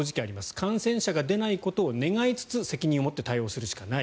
感染者が出ないことを願いつつ責任を持って対応するしかない。